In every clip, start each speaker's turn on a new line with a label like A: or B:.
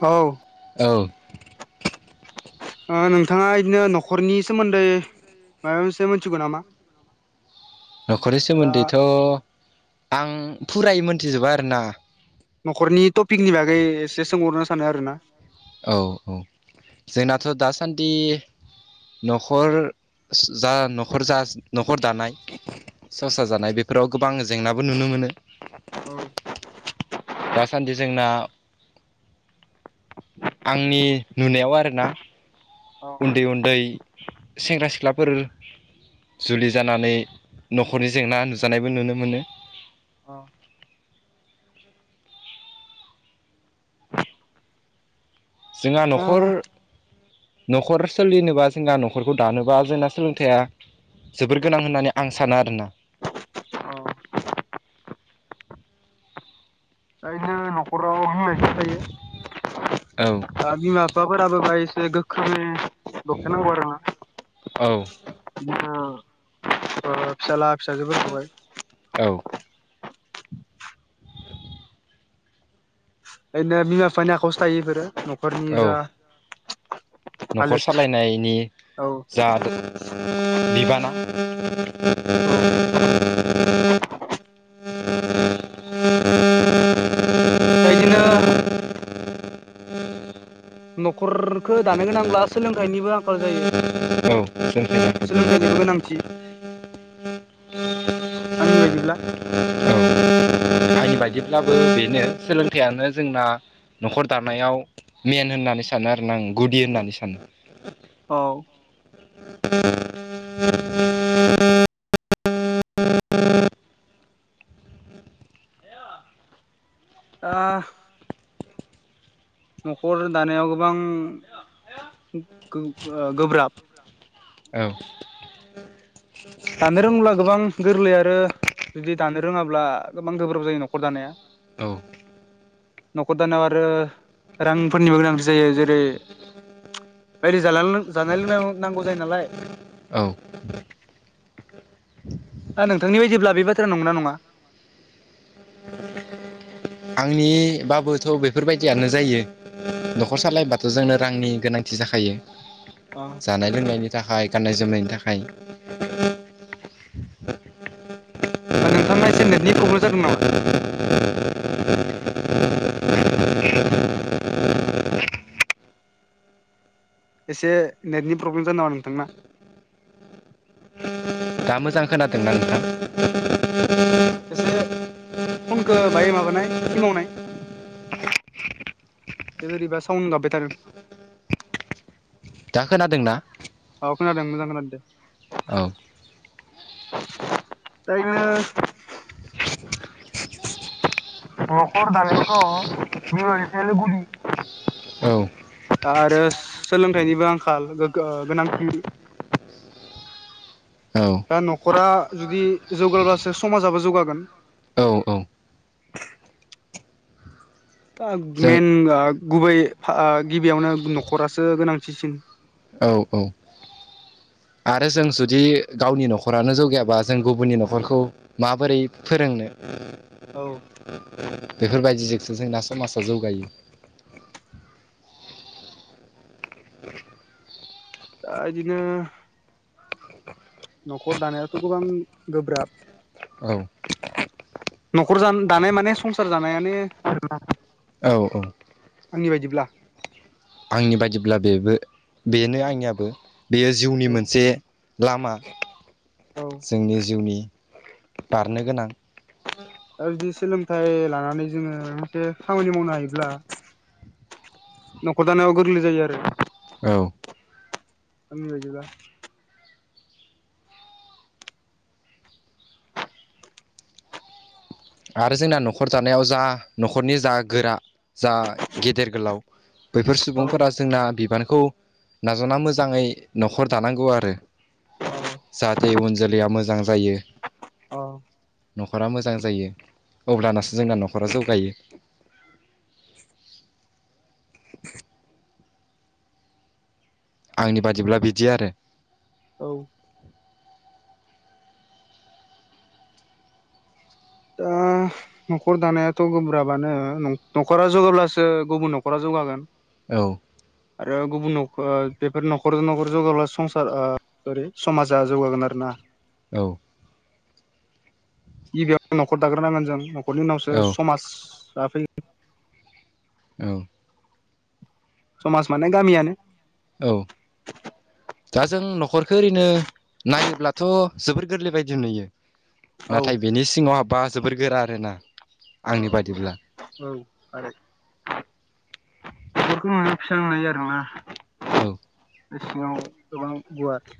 A: औ।
B: औ।
A: ओ नोंथाङा बिदिनो न'खरनि सोमोन्दै माबा मोनसे मिथिगौ नामा?
B: न'खरनि
A: दा
B: सोमोन्दैथ' ओ आं फुरायै मोनथिजोबा आरोना।
A: न'खरनि टपिकनि बागै एसे सोंहरनो सानो आरो ना।
B: औ औ जोंनाथ' दासान्दि न'खर जा न'खर जा न'खर दानाय संसार जानाय बेफोराव गोबां जेंनाबो नुनो मोनो। दासान्दि जोंना आंनि नुनायाव आरोना। उन्दै -उन्दै सेंग्रा -सिख्लाफोर जुलि जानानै न'खरनि जेंना नुजानायबो नुनो मोनो। जोंहा
A: दा
B: न'खर न'खर सोलिनोबा जोंना न'खरखौ दानोबा जोंना सोलोंथाइया जोबोर गोनां होननानै आं सानो आरोना।
A: ओंखायनो न'खराव [unintelligible]
B: औ।
A: दा बिमा बिफाफोराबो बेहाय एसे गोख्रोङै दबथायनांगौ आरो ना।
B: औ
A: बिदिनो ओ फिसाला फिसाजो फोरखौहाय।
B: औ
A: बेखायनो बिमा बिफानि आखायावसो थायो बेफोरो न'खरनि
B: औ
A: जा
B: न'खर
A: हालोद
B: सालायनायनि
A: औ
B: जा बिबाना
A: औ दा बिदिनो न'खरखो दानो गोनांब्ला सोलोंथाइनिबो आंखाल जायो।
B: औ सोलोंथाइया गोग्लैयो
A: सोलोंथाइनिबो गोनांथि आंनि बायदिब्ला।
B: औ आंनि बायदिब्लाबो बेनो सोलोंथाइयानो जोंना न'खर दानायाव मेन होननानै सानो आरोना आं गुदि होननानै सानो।
A: औ
B: [inaudible] [inaudible]
A: ओ न'खर दानायाव गोबां गो गो गोब्राब
B: औ
A: दानो रोंब्ला गोबां गोरलै आरो जुदि दानो रोङाब्ला गोबां गोब्राब जायो न'खर दानाया।
B: औ
A: न'खर दानायाव आरो रांफोरनिबो गोनांथि जायो जेरै बायदि जाला जानाय लोंनायबो नांगौ जायो नालाय।
B: औ
A: दा नोंथांनि बायदिब्ला बे बाथ्राया नंगौ ना नङा?
B: [inaudible] आंनि बाबोथ' बेफोरबायदियानो जायो। न'खर सालायबाथ' जोंनो रांनि गोनांथि जाखायो।
A: अ
B: जानाय लोंनायनि थाखाय गाननाय जोमनायनि थाखाय [inaudible]
A: नोंथांना एसे नेटनि प्रब्लेम जादों नामा?
B: [inaudible]
A: एसे नेटनि प्रब्लेम जादों नामा नोंथांना?
B: दा मोजां खोनादोंना नोंथां?
A: एसे फनखौ बाहाय माबानाय सिमावनाय। बोरैबा साउन गाबबाय थादों।
B: दा खोनादोंना?
A: औ खोनादों मोजां खोनादों दे।
B: औ
A: [unintelligible] नखर दानायावथ' जों आरैनौ गुलि
B: औ
A: आरो सोलोंथाइनिबो आंखाल गो ओ गोनांथि
B: औ
A: दा न'खरा जुदि जौगाब्लासो समाजाबो जौगागोन।
B: औ औ
A: दा
B: जों
A: मेन ओ गुबै ओ गिबियावनो न'खरासो गोनांथिसिन
B: औ औ आरो जों जुदि गावनि न'खरानो जौगायाबा जों गुबुननि न'खरखौ माबोरै फोरोंनो।
A: औ
B: बेफोरबायदिजोंसो जोंना समाजा जौगायो।
A: दा बिदिनो न'खर दानायाथ' गोबां गोब्राब।
B: औ
A: न'खर जान दानाय माने संसार जानायानो आरो ना
B: औ औ
A: आंनि बायदिब्ला
B: आंनि बायदिब्ला बेबो बेनो आंनियाबो बेयो जिउनि
A: औ
B: मोनसे लामा
A: औ
B: जोंनि जिउनि बारनो गोनां
A: आरो जे सोलोंथाइ लानानै जोङो मायबा मोनसे खामानि मावनो हायोब्ला न'खर दानायाव गोरलै जायो आरो
B: औ
A: आंनि बायदिबा
B: आरो जोंना न'खर दानायाव जा न'खरनि जा गोरा जा गेदेर गोलाव बैफोर
A: औ
B: सुबुंफोरा जोंना बिबानखौ नाजावना मोजाङै न'खर दानांगौ आरो जाहाथे उन जोलैया मोजां जायो।
A: औ
B: न'खरा मोजां जायो। अब्लानासो जोंना न'खरा जौगायो। [unintelligible] आंनि बादिब्ला बिदि आरो
A: औ दा न'खर दानायाथ' गोब्राबानो नं न'खरा जौगाब्लासो गुबुन न'खरा जौगागोन।
B: औ
A: आरो गुबुन न'ख ओ बेफोर न'खरजों न'खर जौगाब्ला संसारा ओरै समाजा जौगागोन आरो ना
B: औ
A: गिबियाव न'खर दाग्रोनांगोन जों न'खरनि उनावसो
B: औ
A: समाज दाफै
B: औ
A: समाज माने गामियानो
B: औ दा जों न'खरखो ओरैनो नायोब्लाथ' जोबोर गोरलै बायदि नुयो।
A: औ
B: नाथाय बेनि सिङाव हाबबा जोबोर गोरा आरोना
A: अ
B: आंनि बादिब्ला
A: ओ औ आरो बेफोरखौ माने सोंनाय आरोना
B: औ
A: बे सिङाव गोबां गुवार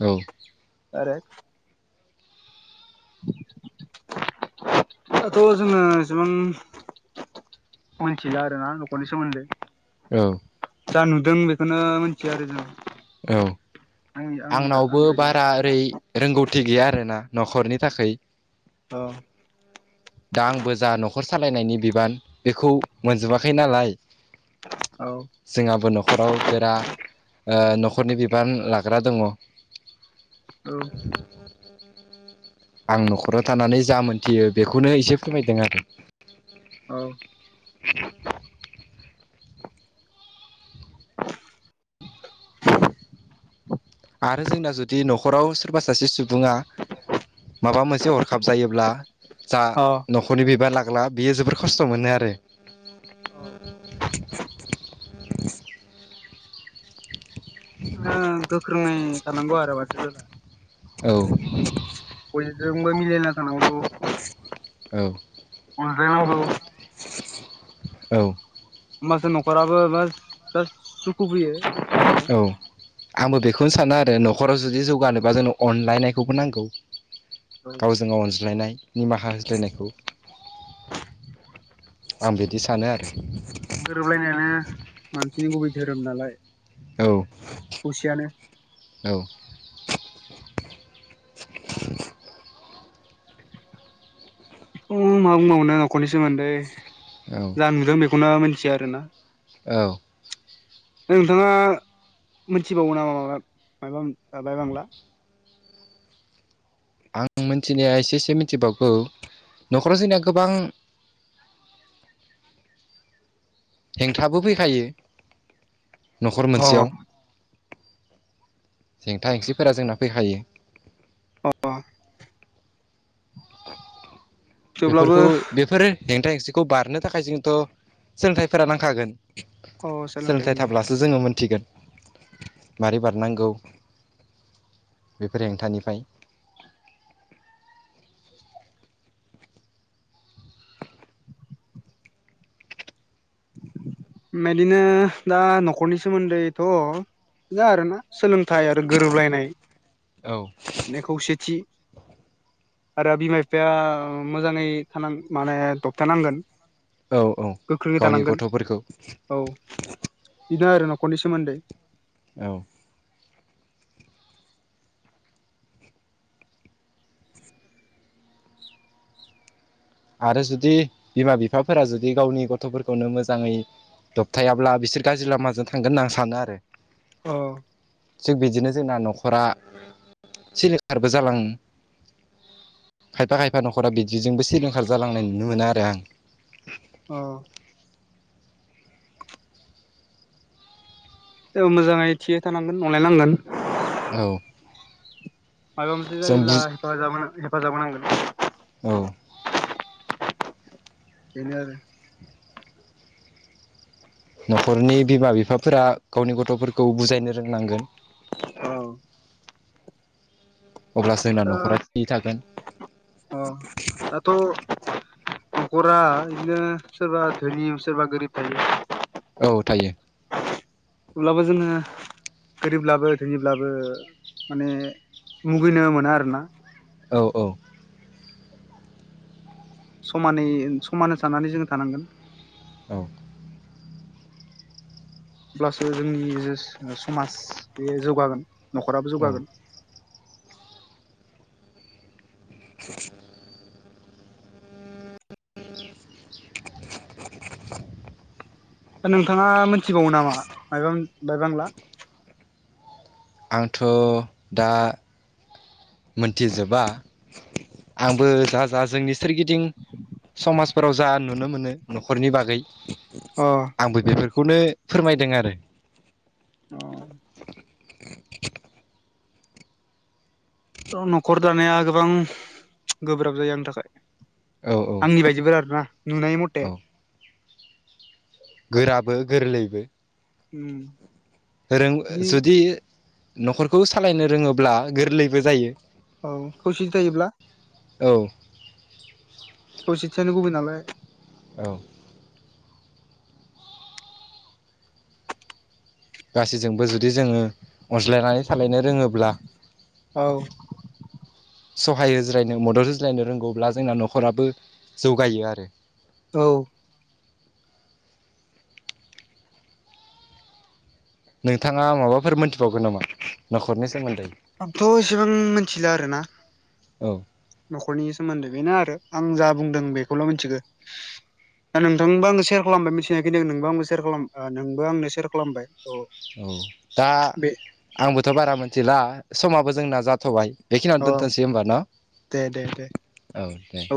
B: औ
A: आरो [unintelligible] दाथ' जोंना एसेबां मोनथिला आरो ना न'खरनि सोमोन्दै
B: औ
A: जा नुदों बेखौनो मोन्थियो आरो ना
B: औ आंनावबो
A: आंनि बायदिब्ला
B: बारा ओरै रोंगौथि गैया आरोना न'खरनि थाखै
A: अ
B: दा आंबो जा न'खर सालायनायनि बिबान बेखौ मोनजोबाखै नालाय
A: औ
B: जोंहाबो न'खराव गोरा ओ न'खरनि बिबान ओ लाग्रा दङ। आं
A: औ
B: न'खराव थानानै जा मोनथियो बेख खौनो एसे फोरमायदों आरो
A: औ
B: [unintelligible] आरो जोंना जुदि न'खराव सोरबा सासे सुबुङा माबा मोनसे हरखाब जायोब्ला जा
A: अ
B: न'खरनि बिबान लाग्ला बियो जोबोर खस्थ' मोनो आरो।
A: औ ओं गोख्रोङै थानांगौ आरो बाथौफोरा
B: औ
A: बयजोंबो मिलायना थानांगौ।
B: औ
A: अनज्लायनांगौ।
B: औ
A: होमबासो न'खराबो बा सुखुु फैयो।
B: औ आंबो बेखौनो सानो आरो न'खराव जुदि जौगानोबा जोंनो अनलायनायखौबो नांगौ।
A: [inaudible]
B: गावजों गाव अनज्लायनाय निमाहा होज्लायनायखौ आं बिदि सानो आरो
A: गोरोबलायनायानो मानसिनि गुबै धोरोम नालाय।
B: औ
A: खौसेयानो
B: औ
A: उम मा बुंबावनो न'खरनि सोमोन्दै
B: औ
A: जा नुदों बेखौनो मिथिया आरोना।
B: औ
A: नोंथाङा मिथिबावो नामा माबा मायबा बाय बांला?
B: आं मिथिनाया एसे एसे मिथिबावगौ न'खराव जोंना गोबां हेंथाबो फैखायो न'खर
A: अ
B: मोनसेयाव। जेंथा हेंसिफोरा जोंना फैखायो।
A: अ अ थेवब्लाबो
B: बेफोरखौ बेफोरो हेंथा हेंसिखौ बारनो थाखाय जोंथ' सोलोंथाइफोरा नांखागोन सोलोंथाइ थाब्लासो थ' जोङो मोनथिगोन मारै बारनांगौ बेफोर हेंथानिफ्राय।
A: [inaudible] बेदिनो दा न'खरनि सोमोन्दैथ' जा आरोना। सोलोंथाइ आरो गोरोबलायनाय
B: औ
A: माने खौसेथि आरो बिमा बिफाया मोजाङै थानां माने दबथाय नांगोन।
B: औ औ गावनि गथ'फोरखौ
A: औ बिनो आरो न'खरनि सोमोन्दै।
B: औ आरो जुदि बिमा बिफाफोरा जुदि गावनि गथ'फोरखौनो मोजाङै दबथायाब्ला बिसोर गाज्रि लामाजों थांगोन होनना आं सानो आरो।
A: औ
B: थिग बिदिनो जोंना न'खरा सिलिंखारबो जालाङो। खायफा खायफा न'खरा बिदिजोंबो सिलिंखार जालांनाय नुनो मोनो आरो आं।
A: अ मोजाङै थियै थानांगोन अलायनांगोन।
B: औ
A: मायबा मोनसे
B: जों
A: जायोब्ला
B: बुज
A: हफाजाब हेफाजाब होनांगोन।
B: औ
A: बेनो आरो
B: न'खरनि बिमा बिफाफोरा गावनि गथ'फोरखौ बुजायनो रोंनांगोन।
A: औ
B: अब्लासो जोंना न'खरा थि थागोन।
A: अ दाथ' न'खरा बिदिनो सोरबा धोनि सोरबा गोरिब थायो।
B: औ थायो।
A: थला ब जोङो। गोरिब्लाबो थोनिब्लाबो माने मुगैनो मोनो आरो ना।
B: औ औ
A: समानै समान हो सनानै जोंङ थानांगोन।
B: औ
A: अब्लासो जोंनि समाज बे जौगागोन नखराबो
B: औ
A: जौगागोन।
B: [inaudible]
A: दा नोंथाङा मिथिबावो नामा मबा बायबांला।
B: आंथ दा। मोनथिजोबा आंबो जा जा जोंनि सोरगिदिं समाज। फोराव जा नुनो मोनो नखरनि बागै।
A: अ
B: आंबो बेफोरखौनो फोरमायदों आरो।
A: अ औ नखर दानाया गोबां गोब्राब जायो आंनि थाखाय।
B: औ औ
A: आंनि बायदिबोला आरो ना नुनाय मथ
B: औ गोराबो गोरलैबो।
A: उम
B: रों
A: जि
B: जुदि नखरखौ सालायनो रोङोब्ला गोरलैबो जायो।
A: औ खौसेथि थायोब्ला
B: औ
A: खौसेथिानो गुबै नालाय।
B: औ गासैजोंबो जुदि जोङो अनज्लायनानै सालायनो रोङोब्ला।
A: औ
B: सहाय होज्लायनो मदद होज्लायनो रोंगौब्ला जोंना नखराबो जौगायो आरो।
A: औ
B: नोंथाङा माबाफोर मोनथिबावगोन नामा नखरनि सोमोन्दै।
A: आंथ एसेबां मिथिला आरो ना।
B: औ
A: नखरनि सोमोन्दै बेनो आरो आं जा बुंदों बेखौल मिथिगो। दा नोंथांबो आं सेयार खालामबाय मिथिनायखनि आं नोंबो आंबो सेयार खालाम नोंबो आंनो सेयार खालामबाय। औ
B: औ दा
A: बे
B: आंबोथ बारा मिथिला समाबो जोंना जाथबाय। बेखिनिययाव
A: अ
B: दोन्थसै होनोमबा न
A: दे दे दे
B: औ दे।